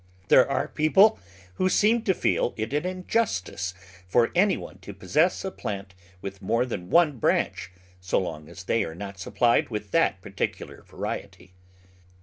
There are people who seem to feel it an in justice for any one to possess a plant with more than one branch so long as they are not supplied with that particular variety.